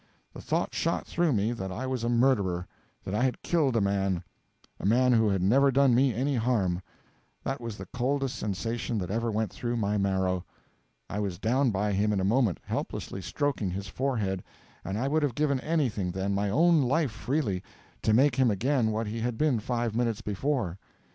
The thought shot through me that I was a murderer; that I had killed a man a man who had never done me any harm. That was the coldest sensation that ever went through my marrow. I was down by him in a moment, helplessly stroking his forehead; and I would have given anything then my own life freely to make him again what he had been five minutes before.